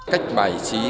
cách bài chỉ